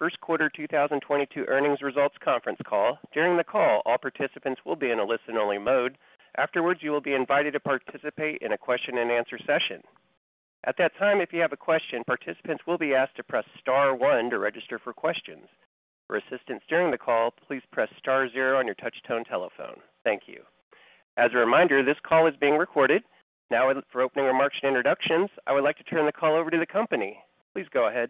First quarter 2022 earnings results conference call. During the call, all participants will be in a listen-only mode. Afterwards, you will be invited to participate in a question and answer session. At that time, if you have a question, participants will be asked to press star one to register for questions. For assistance during the call, please press star zero on your touch-tone telephone. Thank you. As a reminder, this call is being recorded. Now for opening remarks and introductions, I would like to turn the call over to the company. Please go ahead.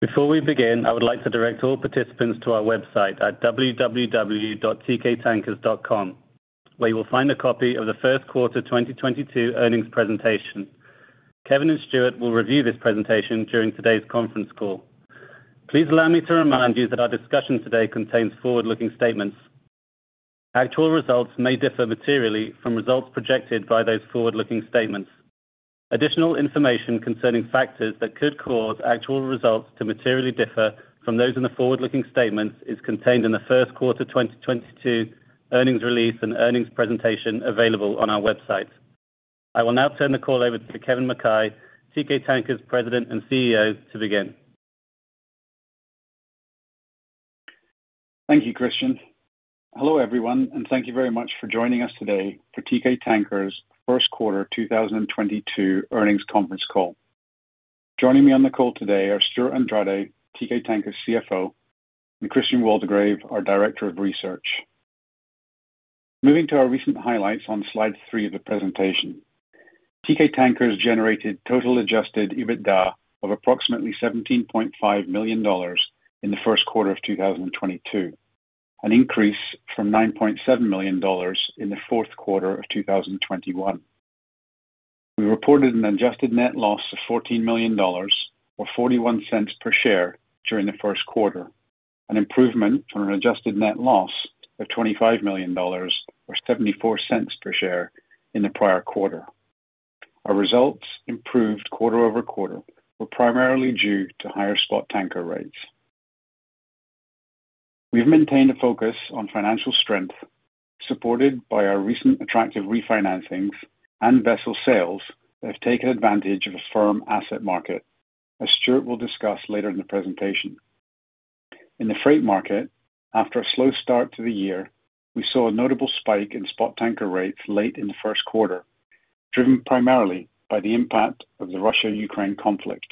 Before we begin, I would like to direct all participants to our website at www.teekaytankers.com, where you will find a copy of the first quarter 2022 earnings presentation. Kevin and Stewart will review this presentation during today's conference call. Please allow me to remind you that our discussion today contains forward-looking statements. Actual results may differ materially from results projected by those forward-looking statements. Additional information concerning factors that could cause actual results to materially differ from those in the forward-looking statements is contained in the first quarter 2022 earnings release and earnings presentation available on our website. I will now turn the call over to Kevin Mackay, Teekay Tankers President and CEO, to begin. Thank you, Christian. Hello, everyone, and thank you very much for joining us today for Teekay Tankers' first quarter 2022 earnings conference call. Joining me on the call today are Stewart Andrade, Teekay Tankers CFO, and Christian Waldegrave, our Director of Research. Moving to our recent highlights on slide three of the presentation. Teekay Tankers generated total adjusted EBITDA of approximately $17.5 million in the first quarter of 2022, an increase from $9.7 million in the fourth quarter of 2021. We reported an adjusted net loss of $14 million or $0.41 per share during the first quarter, an improvement from an adjusted net loss of $25 million or $0.74 per share in the prior quarter. Our results improved quarter-over-quarter, were primarily due to higher spot tanker rates. We've maintained a focus on financial strength, supported by our recent attractive refinancings and vessel sales that have taken advantage of a firm asset market, as Stewart will discuss later in the presentation. In the freight market, after a slow start to the year, we saw a notable spike in spot tanker rates late in the first quarter, driven primarily by the impact of the Russia-Ukraine conflict.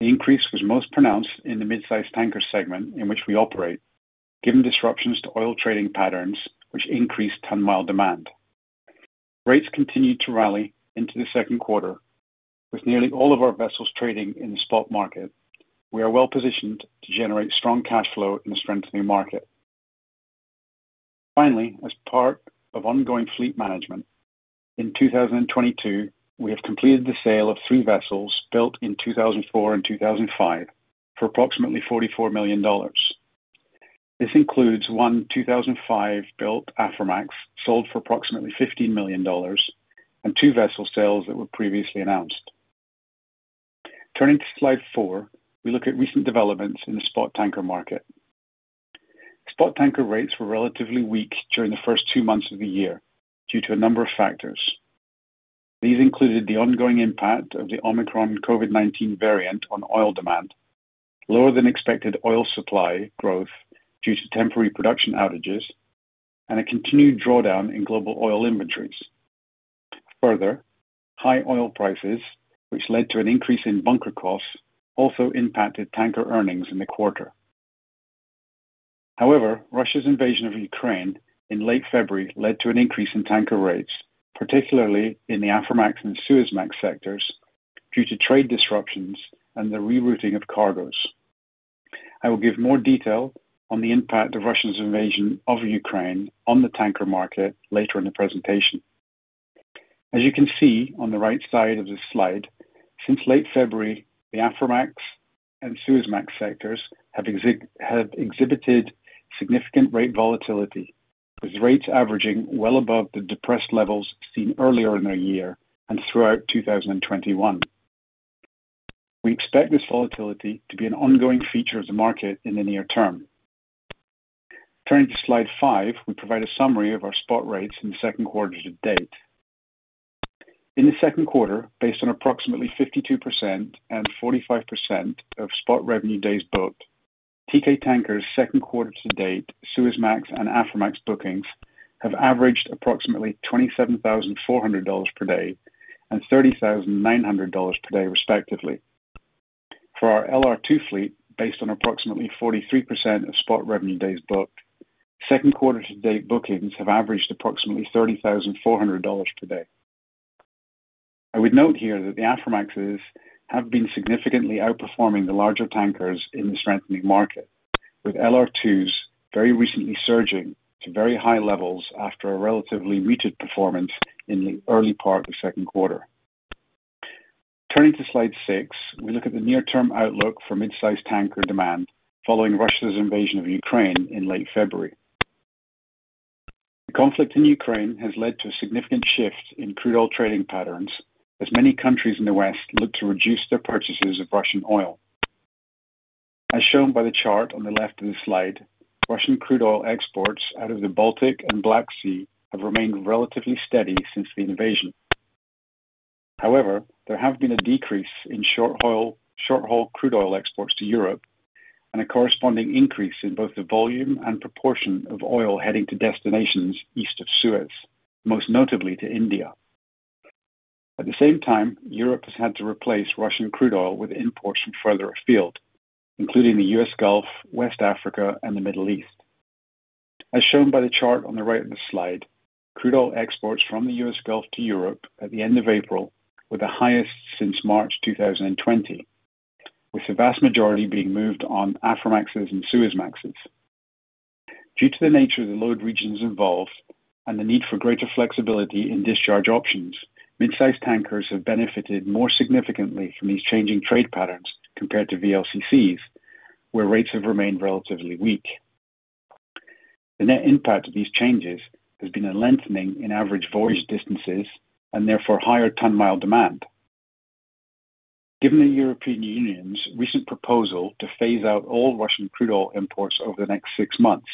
The increase was most pronounced in the mid-size tanker segment in which we operate, given disruptions to oil trading patterns which increased ton-mile demand. Rates continued to rally into the second quarter. With nearly all of our vessels trading in the spot market, we are well-positioned to generate strong cash flow in a strengthening market. Finally, as part of ongoing fleet management, in 2022, we have completed the sale of three vessels built in 2004 and 2005 for approximately $44 million. This includes one 2005-built Aframax, sold for approximately $15 million, and two vessel sales that were previously announced. Turning to slide four, we look at recent developments in the spot tanker market. Spot tanker rates were relatively weak during the first two months of the year due to a number of factors. These included the ongoing impact of the Omicron COVID-19 variant on oil demand, lower than expected oil supply growth due to temporary production outages, and a continued drawdown in global oil inventories. Further, high oil prices, which led to an increase in bunker costs, also impacted tanker earnings in the quarter. However, Russia's invasion of Ukraine in late February led to an increase in tanker rates, particularly in the Aframax and Suezmax sectors, due to trade disruptions and the rerouting of cargoes. I will give more detail on the impact of Russia's invasion of Ukraine on the tanker market later in the presentation. As you can see on the right side of this slide, since late February, the Aframax and Suezmax sectors have exhibited significant rate volatility, with rates averaging well above the depressed levels seen earlier in the year and throughout 2021. We expect this volatility to be an ongoing feature of the market in the near term. Turning to slide five, we provide a summary of our spot rates in the second quarter to date. In the second quarter, based on approximately 52% and 45% of spot revenue days booked, Teekay Tankers second quarter to date, Suezmax and Aframax bookings have averaged approximately $27,400 per day and $30,900 per day, respectively. For our LR2 fleet, based on approximately 43% of spot revenue days booked, second quarter to date bookings have averaged approximately $30,400 per day. I would note here that the Aframaxes have been significantly outperforming the larger tankers in the strengthening market, with LR2s very recently surging to very high levels after a relatively wretched performance in the early part of the second quarter. Turning to slide six, we look at the near-term outlook for mid-size tanker demand following Russia's invasion of Ukraine in late February. The conflict in Ukraine has led to a significant shift in crude oil trading patterns as many countries in the West look to reduce their purchases of Russian oil. As shown by the chart on the left of the slide, Russian crude oil exports out of the Baltic and Black Sea have remained relatively steady since the invasion. However, there have been a decrease in short-haul crude oil exports to Europe and a corresponding increase in both the volume and proportion of oil heading to destinations east of Suez, most notably to India. At the same time, Europe has had to replace Russian crude oil with imports from further afield, including the U.S. Gulf, West Africa, and the Middle East. As shown by the chart on the right of the slide, crude oil exports from the U.S. Gulf to Europe at the end of April were the highest since March 2020, with the vast majority being moved on Aframaxes and Suezmaxes. Due to the nature of the load regions involved and the need for greater flexibility in discharge options, mid-size tankers have benefited more significantly from these changing trade patterns compared to VLCCs, where rates have remained relatively weak. The net impact of these changes has been a lengthening in average voyage distances and therefore higher ton-mile demand. Given the European Union's recent proposal to phase out all Russian crude oil imports over the next six months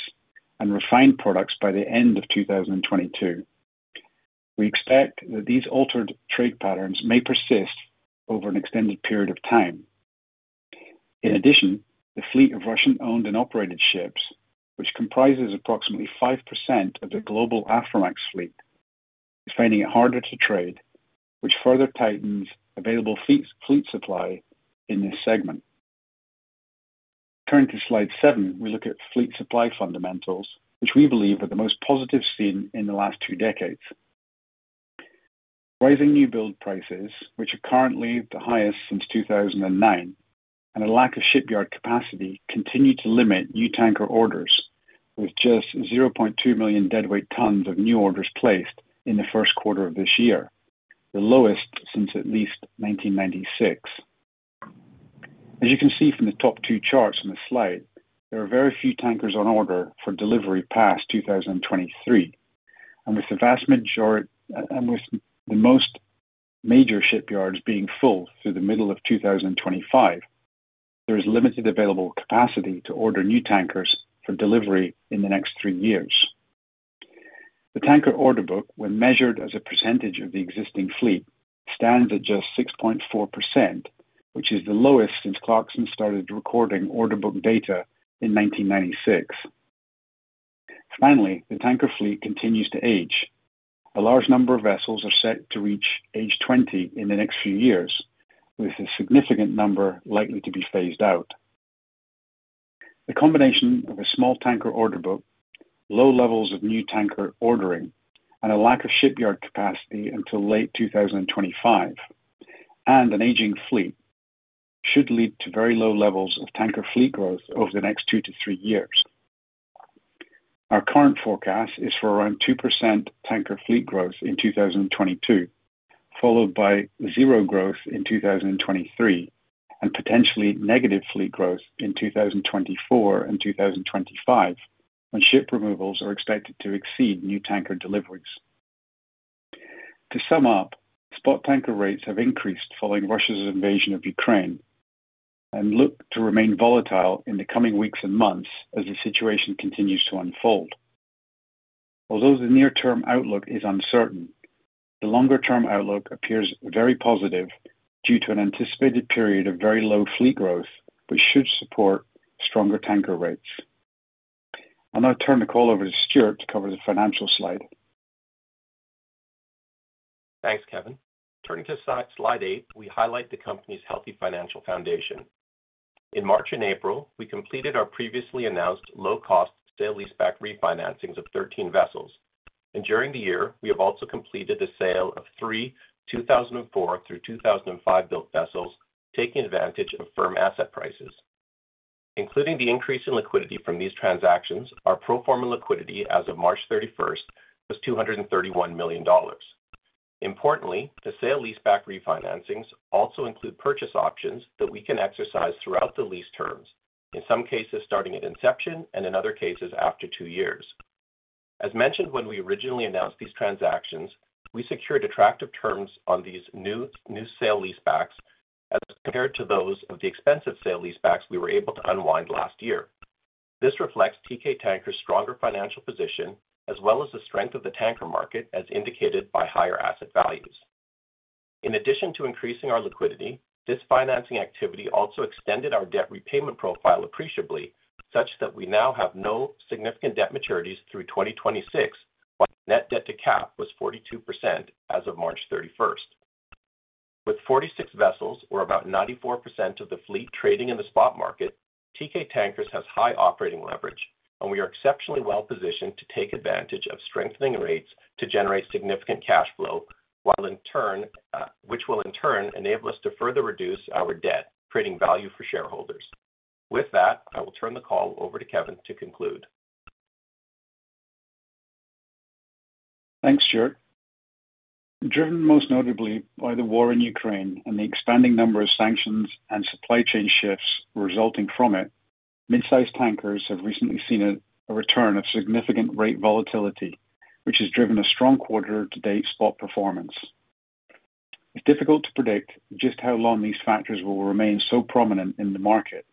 and refined products by the end of 2022, we expect that these altered trade patterns may persist over an extended period of time. In addition, the fleet of Russian-owned and -operated ships, which comprises approximately 5% of the global Aframax fleet, is finding it harder to trade, which further tightens available fleet supply in this segment. Turning to slide seven, we look at fleet supply fundamentals, which we believe are the most positive seen in the last two decades. Rising new build prices, which are currently the highest since 2009, and a lack of shipyard capacity continue to limit new tanker orders, with just 0.2 million deadweight tons of new orders placed in the first quarter of this year, the lowest since at least 1996. As you can see from the top two charts on the slide, there are very few tankers on order for delivery past 2023. With the most major shipyards being full through the middle of 2025, there is limited available capacity to order new tankers for delivery in the next 3 years. The tanker order book, when measured as a percentage of the existing fleet, stands at just 6.4%, which is the lowest since Clarksons started recording order book data in 1996. Finally, the tanker fleet continues to age. A large number of vessels are set to reach age 20 in the next few years, with a significant number likely to be phased out. The combination of a small tanker order book, low levels of new tanker ordering, and a lack of shipyard capacity until late 2025, and an aging fleet should lead to very low levels of tanker fleet growth over the next 2 to 3 years. Our current forecast is for around 2% tanker fleet growth in 2022, followed by zero growth in 2023, and potentially negative fleet growth in 2024 and 2025, when ship removals are expected to exceed new tanker deliveries. To sum up, spot tanker rates have increased following Russia's invasion of Ukraine and look to remain volatile in the coming weeks and months as the situation continues to unfold. Although the near-term outlook is uncertain, the longer-term outlook appears very positive due to an anticipated period of very low fleet growth, which should support stronger tanker rates. I'll now turn the call over to Stewart to cover the financial slide. Thanks, Kevin. Turning to slide eight, we highlight the company's healthy financial foundation. In March and April, we completed our previously announced low-cost sale-leaseback refinancings of 13 vessels, and during the year, we have also completed the sale of three 2004 to 2005-built vessels, taking advantage of firm asset prices. Including the increase in liquidity from these transactions, our pro forma liquidity as of March 31st was $231 million. Importantly, the sale-leaseback refinancings also include purchase options that we can exercise throughout the lease terms, in some cases, starting at inception, and in other cases, after two years. As mentioned when we originally announced these transactions, we secured attractive terms on these new sale-leasebacks as compared to those of the expensive sale-leasebacks we were able to unwind last year. This reflects Teekay Tankers' stronger financial position, as well as the strength of the tanker market, as indicated by higher asset values. In addition to increasing our liquidity, this financing activity also extended our debt repayment profile appreciably, such that we now have no significant debt maturities through 2026, while net debt to capitalization was 42% as of March 31st. With 46 vessels or about 94% of the fleet trading in the spot market, Teekay Tankers has high operating leverage, and we are exceptionally well positioned to take advantage of strengthening rates to generate significant cash flow, while in turn, which will in turn enable us to further reduce our debt, creating value for shareholders. With that, I will turn the call over to Kevin to conclude. Thanks, Stewart. Driven most notably by the war in Ukraine and the expanding number of sanctions and supply chain shifts resulting from it, mid-size tankers have recently seen a return of significant rate volatility, which has driven a strong quarter to date spot performance. It's difficult to predict just how long these factors will remain so prominent in the market.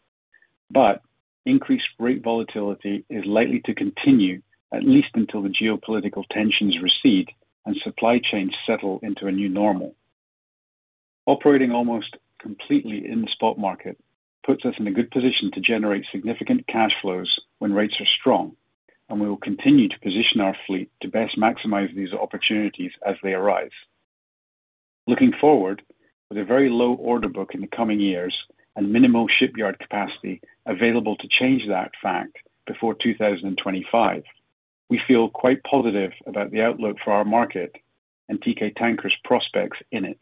Increased rate volatility is likely to continue at least until the geopolitical tensions recede and supply chains settle into a new normal. Operating almost completely in the spot market puts us in a good position to generate significant cash flows when rates are strong, and we will continue to position our fleet to best maximize these opportunities as they arise. Looking forward, with a very low order book in the coming years and minimal shipyard capacity available to change that fact before 2025, we feel quite positive about the outlook for our market and Teekay Tankers prospects in it.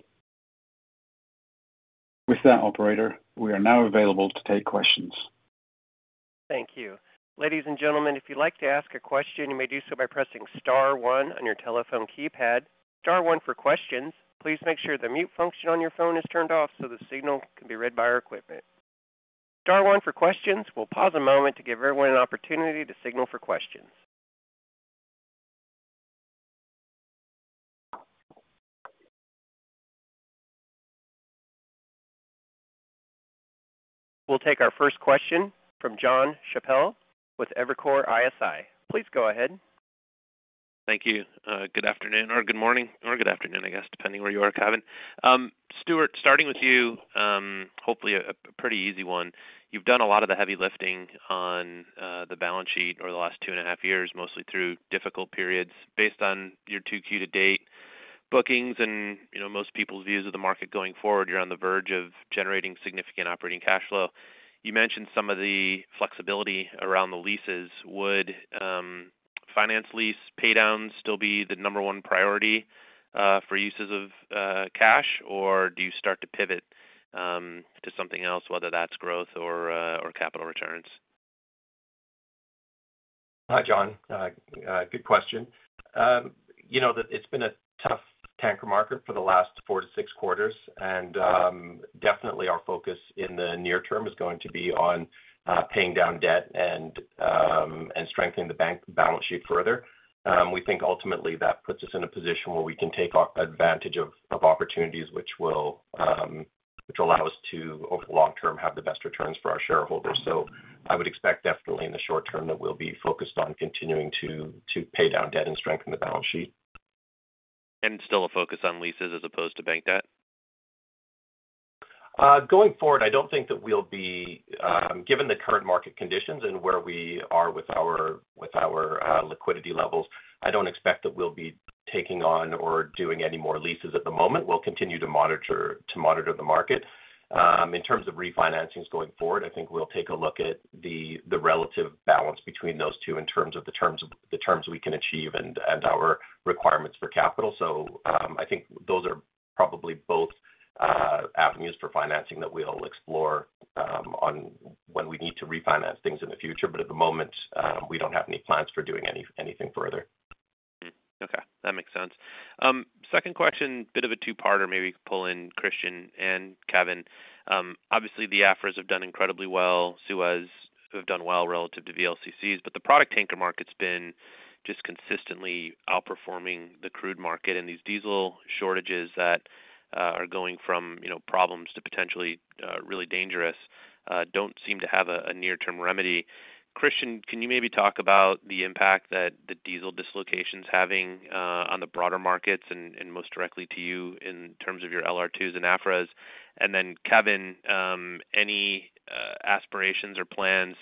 With that operator, we are now available to take questions. Thank you. Ladies and gentlemen, if you'd like to ask a question, you may do so by pressing star one on your telephone keypad. Star one for questions. Please make sure the mute function on your phone is turned off so the signal can be read by our equipment. Star one for questions. We'll pause a moment to give everyone an opportunity to signal for questions. We'll take our first question from Jon Chappell with Evercore ISI. Please go ahead. Thank you. Good afternoon or good morning or good afternoon, I guess, depending where you are, Kevin. Stewart, starting with you, hopefully a pretty easy one. You've done a lot of the heavy lifting on the balance sheet over the last 2.5 years, mostly through difficult periods. Based on your 2Q to date bookings and, you know, most people's views of the market going forward, you're on the verge of generating significant operating cash flow. You mentioned some of the flexibility around the leases. Would finance lease pay downs still be the number one priority for uses of cash? Or do you start to pivot to something else, whether that's growth or capital returns? Hi, Jon. Good question. You know, it's been a tough tanker market for the last four to six quarters, and definitely our focus in the near term is going to be on paying down debt and strengthening the balance sheet further. We think ultimately that puts us in a position where we can take advantage of opportunities which will allow us to, over the long term, have the best returns for our shareholders. I would expect definitely in the short term that we'll be focused on continuing to pay down debt and strengthen the balance sheet. Still a focus on leases as opposed to bank debt? Going forward, I don't think that we'll be given the current market conditions and where we are with our liquidity levels. I don't expect that we'll be taking on or doing any more leases at the moment. We'll continue to monitor the market. In terms of refinancings going forward, I think we'll take a look at the relative balance between those two in terms of the terms we can achieve and our requirements for capital. I think those are probably both avenues for financing that we'll explore on when we need to refinance things in the future. At the moment, we don't have any plans for doing anything further. Okay, that makes sense. Second question, bit of a two-parter, maybe pull in Christian and Kevin. Obviously, the Afras have done incredibly well. Suez have done well relative to VLCCs, but the product tanker market's been just consistently outperforming the crude market. These diesel shortages that are going from, you know, problems to potentially really dangerous don't seem to have a near-term remedy. Christian, can you maybe talk about the impact that the diesel dislocation is having on the broader markets and most directly to you in terms of your LR2s and Afras? Then, Kevin, any aspirations or plans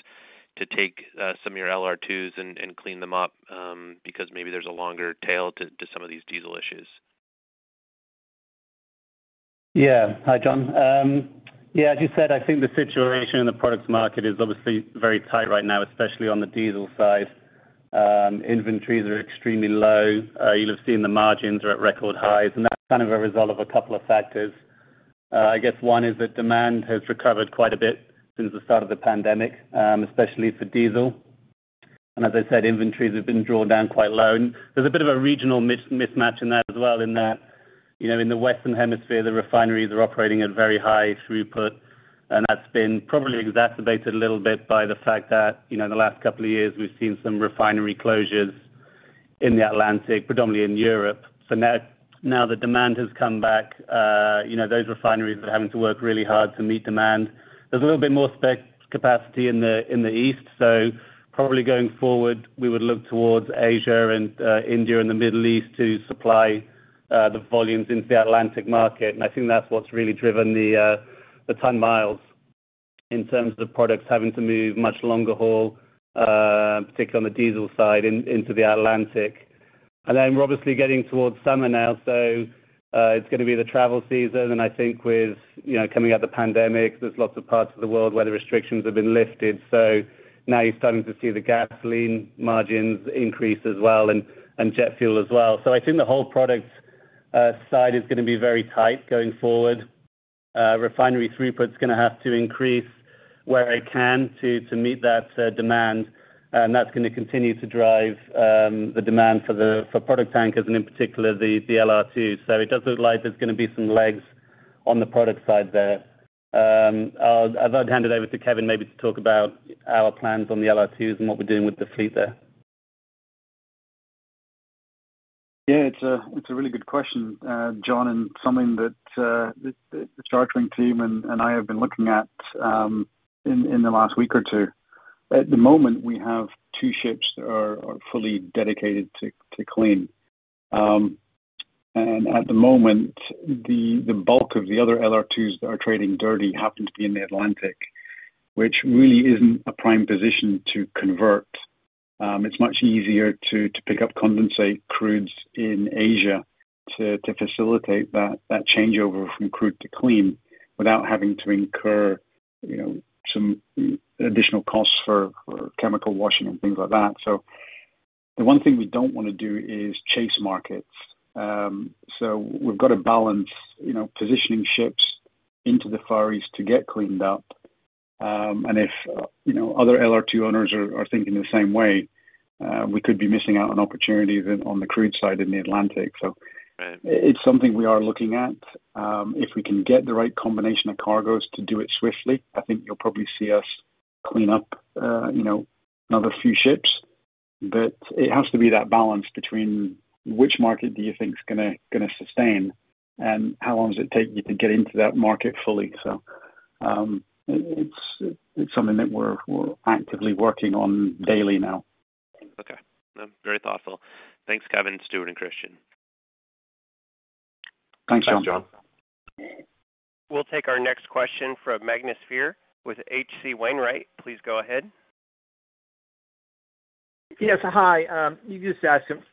to take some of your LR2s and clean them up because maybe there's a longer tail to some of these diesel issues? Yeah. Hi, Jon Chappell. Yeah, as you said, I think the situation in the products market is obviously very tight right now, especially on the diesel side. Inventories are extremely low. You'll have seen the margins are at record highs, and that's kind of a result of a couple of factors. I guess one is that demand has recovered quite a bit since the start of the pandemic, especially for diesel. As I said, inventories have been drawn down quite low. There's a bit of a regional mismatch in that as well in that, you know, in the Western Hemisphere, the refineries are operating at very high throughput, and that's been probably exacerbated a little bit by the fact that, you know, in the last couple of years, we've seen some refinery closures in the Atlantic, predominantly in Europe. Now that demand has come back, you know, those refineries are having to work really hard to meet demand. There's a little bit more spot capacity in the East. Probably going forward, we would look towards Asia and India and the Middle East to supply the volumes into the Atlantic market. I think that's what's really driven the ton miles in terms of products having to move much longer haul, particularly on the diesel side into the Atlantic. Then we're obviously getting towards summer now, so it's gonna be the travel season. I think with, you know, coming out of the pandemic, there's lots of parts of the world where the restrictions have been lifted. Now you're starting to see the gasoline margins increase as well and jet fuel as well. I think the whole product side is gonna be very tight going forward. Refinery throughput is gonna have to increase where it can to meet that demand. That's gonna continue to drive the demand for product tankers and in particular the LR2s. It does look like there's gonna be some legs on the product side there. I'd rather hand it over to Kevin maybe to talk about our plans on the LR2s and what we're doing with the fleet there. Yeah, it's a really good question, Jon, and something that the chartering team and I have been looking at in the last week or two. At the moment, we have two ships that are fully dedicated to clean. At the moment, the bulk of the other LR2s that are trading dirty happen to be in the Atlantic, which really isn't a prime position to convert. It's much easier to pick up condensate crudes in Asia to facilitate that changeover from crude to clean without having to incur, you know, some additional costs for chemical washing and things like that. The one thing we don't wanna do is chase markets. We've got to balance, you know, positioning ships into the Far East to get cleaned up. If you know other LR2 owners are thinking the same way, we could be missing out on opportunities on the crude side in the Atlantic. Right It's something we are looking at. If we can get the right combination of cargos to do it swiftly, I think you'll probably see us clean up, you know, another few ships. It has to be that balance between which market do you think is gonna sustain, and how long does it take you to get into that market fully? It's something that we're actively working on daily now. Okay. No, very thoughtful. Thanks, Kevin, Stewart, and Christian. Thanks, Jon. Thanks, Jon. We'll take our next question from Magnus Fyhr with H.C. Wainwright. Please go ahead. Yes. Hi. You just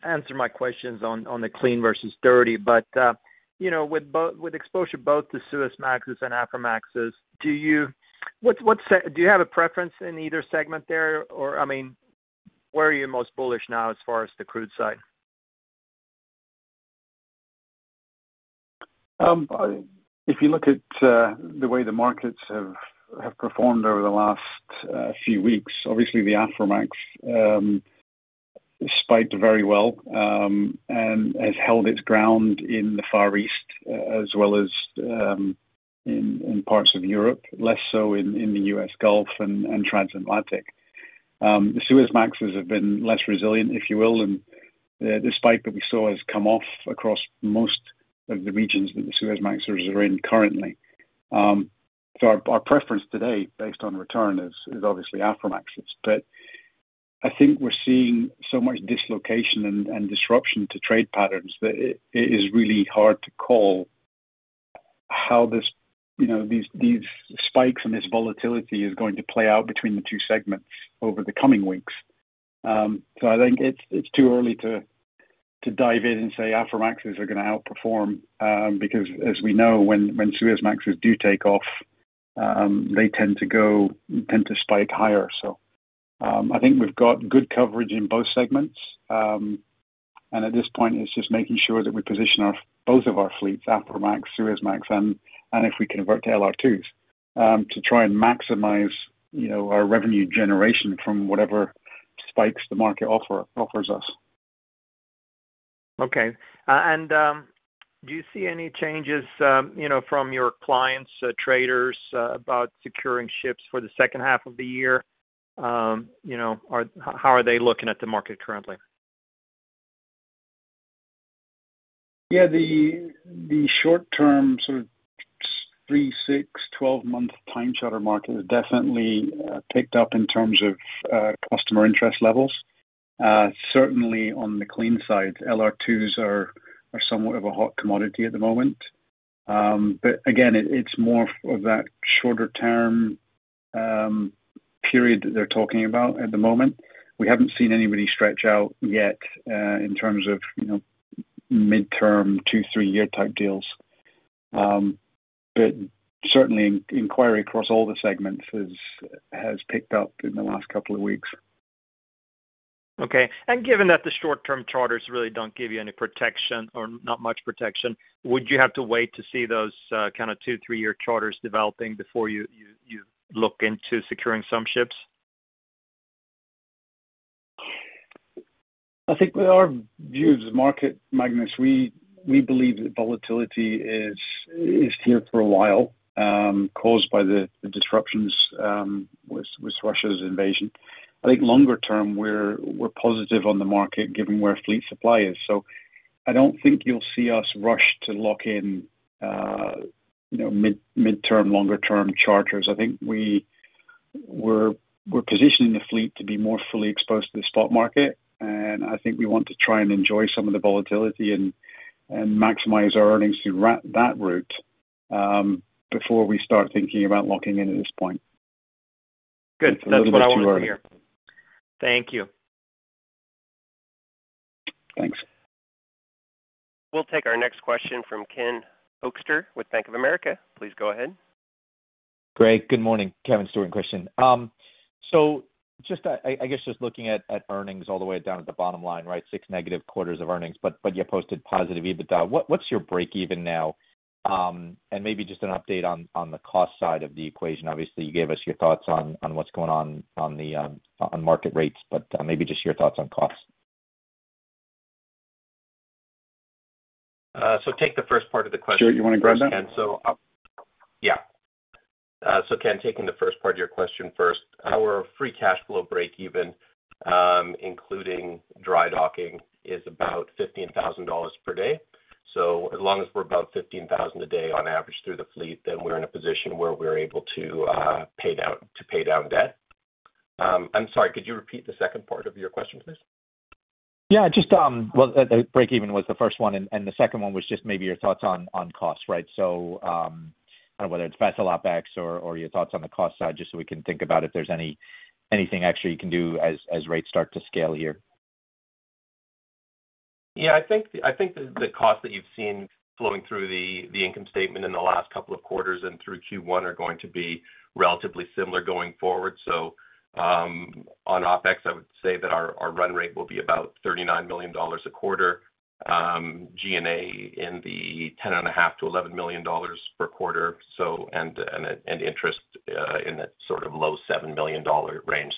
answered my questions on the clean versus dirty. You know, with exposure both to Suezmaxes and Aframaxes, do you have a preference in either segment there or, I mean, where are you most bullish now as far as the crude side? If you look at the way the markets have performed over the last few weeks, obviously the Aframax spiked very well and has held its ground in the Far East as well as in parts of Europe, less so in the U.S. Gulf and Trans-Atlantic. The Suezmaxes have been less resilient, if you will. The spike that we saw has come off across most of the regions that the Suezmaxes are in currently. Our preference today based on return is obviously Aframaxes. I think we're seeing so much dislocation and disruption to trade patterns that it is really hard to call how this, you know, these spikes and this volatility is going to play out between the two segments over the coming weeks. I think it's too early to dive in and say Aframaxes are gonna outperform, because as we know, when Suezmaxes do take off, they tend to spike higher. I think we've got good coverage in both segments. At this point, it's just making sure that we position our both of our fleets, Aframax, Suezmax, and if we convert to LR2s, to try and maximize, you know, our revenue generation from whatever spikes the market offers us. Okay. Do you see any changes, you know, from your clients, traders, about securing ships for the second half of the year? You know, how are they looking at the market currently? Yeah, the short-term sort of 3, 6, 12-month time charter market has definitely picked up in terms of customer interest levels. Certainly on the clean side, LR2s are somewhat of a hot commodity at the moment. Again, it's more of that shorter term period that they're talking about at the moment. We haven't seen anybody stretch out yet in terms of, you know, midterm, two, three year type deals. Certainly inquiry across all the segments has picked up in the last couple of weeks. Okay. Given that the short-term charters really don't give you any protection or not much protection, would you have to wait to see those kinda two, three-year charters developing before you look into securing some ships? I think with our view of the market, Magnus, we believe that volatility is here for a while, caused by the disruptions with Russia's invasion. I think longer term, we're positive on the market given where fleet supply is. I don't think you'll see us rush to lock in, you know, midterm longer term charters. I think we're positioning the fleet to be more fully exposed to the spot market, and I think we want to try and enjoy some of the volatility and maximize our earnings through that route before we start thinking about locking in at this point. Good. That's what I wanted to hear. It's a little bit too early. Thank you. Thanks. We'll take our next question from Ken Hoexter with Bank of America. Please go ahead. Great. Good morning, Kevin, Stuart, and Christian. I guess just looking at earnings all the way down at the bottom line, right? Six negative quarters of earnings, but you posted positive EBITDA. What's your breakeven now? Maybe just an update on the cost side of the equation. Obviously, you gave us your thoughts on what's going on in the market rates, but maybe just your thoughts on costs. Take the first part of the question. Stewart, you want to grab that? Yeah. Ken, taking the first part of your question first, our free cash flow breakeven, including drydocking, is about $15,000 per day. As long as we're about $15,000 a day on average through the fleet, then we're in a position where we're able to pay down debt. I'm sorry, could you repeat the second part of your question, please? Yeah, just, well, the breakeven was the first one, and the second one was just maybe your thoughts on cost, right? Kind of whether it's vessel OpEx or your thoughts on the cost side, just so we can think about if there's anything extra you can do as rates start to scale here. Yeah, I think the cost that you've seen flowing through the income statement in the last couple of quarters and through Q1 are going to be relatively similar going forward. On OpEx, I would say that our run rate will be about $39 million a quarter. G&A in the $10.5 million-$11 million per quarter, and interest in that sort of low $7 million range.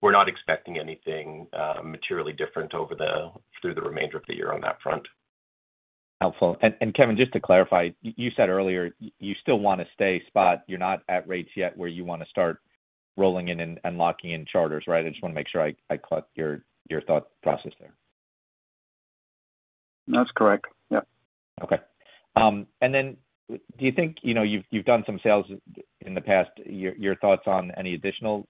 We're not expecting anything materially different through the remainder of the year on that front. Helpful. Kevin, just to clarify, you said earlier you still want to stay spot. You're not at rates yet where you want to start rolling in and locking in charters, right? I just want to make sure I caught your thought process there. That's correct. Yep. Okay. Do you think? You know, you've done some sales in the past. Your thoughts on any additional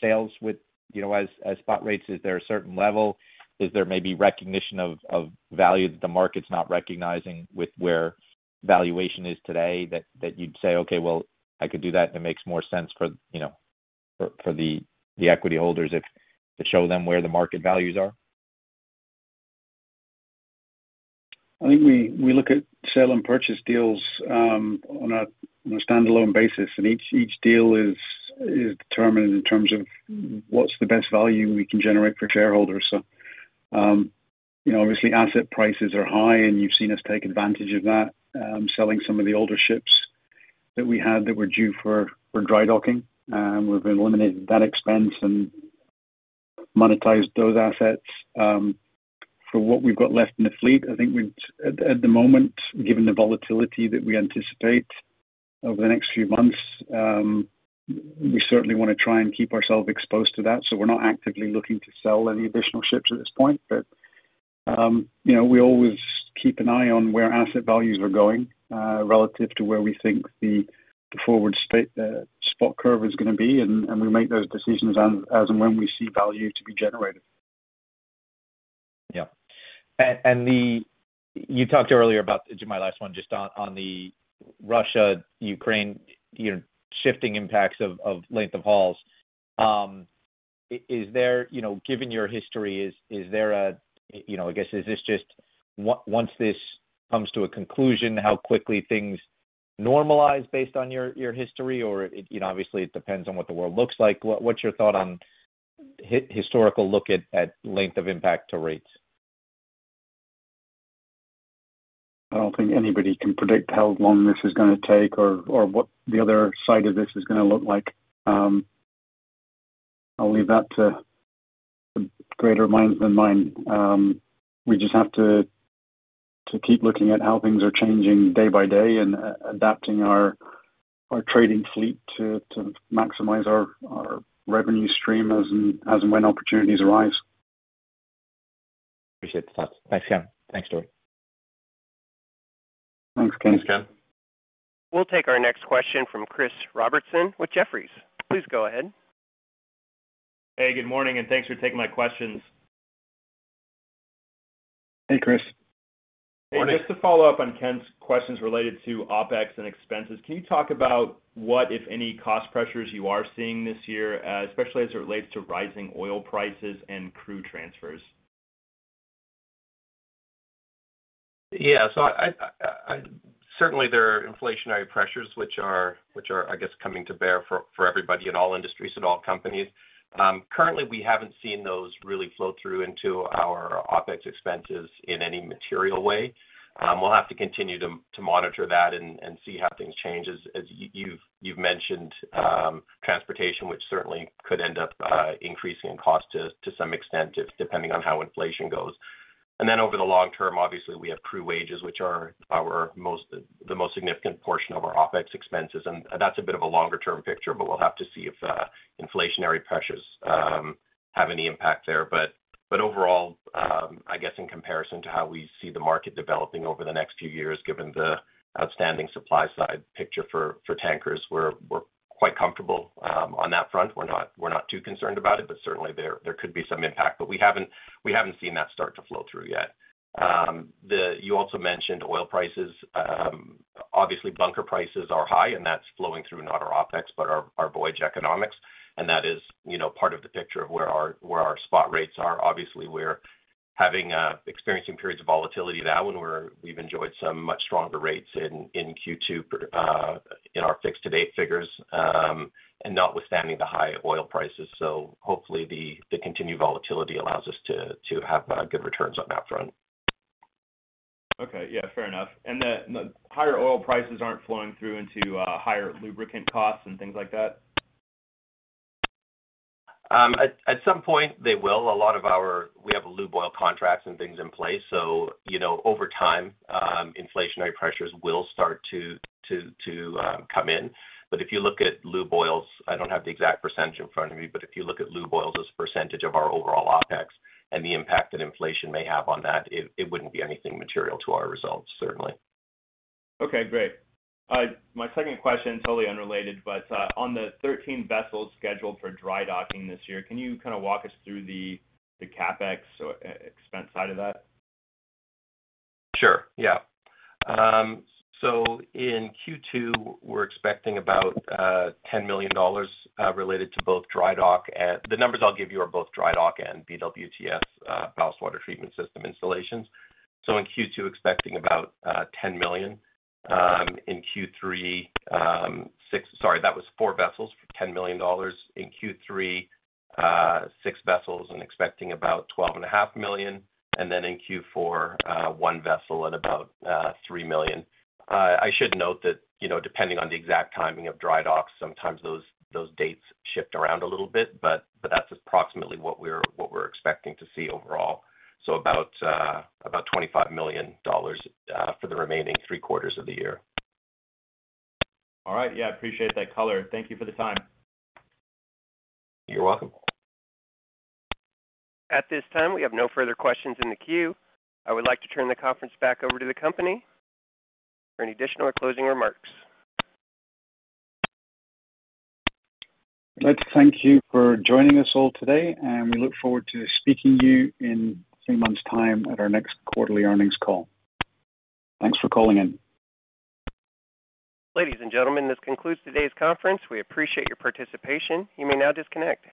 sales with, you know, as spot rates, is there a certain level? Is there maybe recognition of value that the market's not recognizing with where valuation is today that you'd say, "Okay, well, I could do that and it makes more sense for, you know, for the equity holders if to show them where the market values are"? I think we look at sale and purchase deals on a standalone basis, and each deal is determined in terms of what's the best value we can generate for shareholders. You know, obviously asset prices are high, and you've seen us take advantage of that, selling some of the older ships that we had that were due for drydocking. We've eliminated that expense and monetized those assets. For what we've got left in the fleet, I think at the moment, given the volatility that we anticipate over the next few months, we certainly want to try and keep ourselves exposed to that. We're not actively looking to sell any additional ships at this point. You know, we always keep an eye on where asset values are going, relative to where we think the forward spot curve is going to be, and we make those decisions as and when we see value to be generated. You talked earlier about my last one, just on the Russia, Ukraine, you know, shifting impacts of length of hauls. Is there, you know, given your history, is there a, you know, I guess is this just once this comes to a conclusion, how quickly things normalize based on your history? Or, you know, obviously it depends on what the world looks like. What's your thought on historical look at length of impact to rates? I don't think anybody can predict how long this is gonna take or what the other side of this is gonna look like. I'll leave that to greater minds than mine. We just have to keep looking at how things are changing day by day and adapting our trading fleet to maximize our revenue stream as and when opportunities arise. Appreciate the thoughts. Thanks, Kevin. Thanks, Stewart. Thanks, Ken. Thanks, Ken. We'll take our next question from Chris Robertson with Jefferies. Please go ahead. Hey, good morning, and thanks for taking my questions. Hey, Chris. Morning. Just to follow up on Ken's questions related to OpEx and expenses, can you talk about what, if any, cost pressures you are seeing this year, especially as it relates to rising oil prices and crew transfers? Yeah. I certainly there are inflationary pressures which are I guess coming to bear for everybody in all industries and all companies. Currently, we haven't seen those really flow through into our OpEx expenses in any material way. We'll have to continue to monitor that and see how things change as you've mentioned, transportation, which certainly could end up increasing in cost to some extent if depending on how inflation goes. Over the long term, obviously we have crew wages, which are our most significant portion of our OpEx expenses, and that's a bit of a longer term picture. We'll have to see if inflationary pressures have any impact there. Overall, I guess in comparison to how we see the market developing over the next few years, given the outstanding supply side picture for tankers, we're quite comfortable on that front. We're not too concerned about it, but certainly there could be some impact. We haven't seen that start to flow through yet. You also mentioned oil prices. Obviously bunker prices are high and that's flowing through not our OpEx but our voyage economics and that is, you know, part of the picture of where our spot rates are. Obviously, we're experiencing periods of volatility now and we've enjoyed some much stronger rates in Q2 in our fixed to date figures and notwithstanding the high oil prices. Hopefully the continued volatility allows us to have good returns on that front. Okay. Yeah, fair enough. The higher oil prices aren't flowing through into higher lubricant costs and things like that? At some point they will. We have lube oil contracts and things in place. You know, over time, inflationary pressures will start to come in. If you look at lube oils, I don't have the exact percentage in front of me, but if you look at lube oils as a percentage of our overall OpEx and the impact that inflation may have on that, it wouldn't be anything material to our results, certainly. Okay, great. My second question, totally unrelated, but on the 13 vessels scheduled for dry docking this year, can you kind of walk us through the CapEx or expense side of that? Sure. Yeah. In Q2, we're expecting about $10 million related to both dry dock and BWTS, ballast water treatment system installations. The numbers I'll give you are both dry dock and BWTS, ballast water treatment system installations. In Q2, expecting about $10 million. That was four vessels for $10 million. In Q3, six vessels and expecting about $12.5 million. In Q4, one vessel at about $3 million. I should note that, you know, depending on the exact timing of dry docks, sometimes those dates shift around a little bit, but that's approximately what we're expecting to see overall. About $25 million for the remaining three quarters of the year. All right. Yeah, appreciate that color. Thank you for the time. You're welcome. At this time, we have no further questions in the queue. I would like to turn the conference back over to the company for any additional or closing remarks. I'd like to thank you for joining us all today, and we look forward to speaking to you in three months' time at our next quarterly earnings call. Thanks for calling in. Ladies and gentlemen, this concludes today's conference. We appreciate your participation. You may now disconnect.